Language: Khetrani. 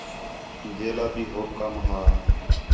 جیلا بھی ہوک کَم ہا